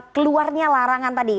keluarnya larangan tadi